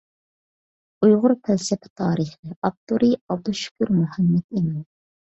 «ئۇيغۇر پەلسەپە تارىخى»، ئاپتورى: ئابدۇشۈكۈر مۇھەممەتئىمىن.